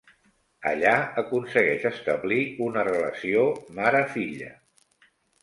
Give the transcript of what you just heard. Allà aconsegueix establir una relació mare-filla.